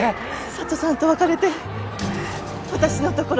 佐都さんと別れて私のところに来て。